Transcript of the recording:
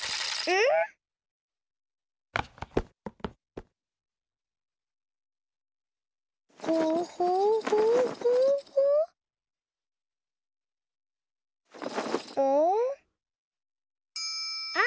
うん？あっ！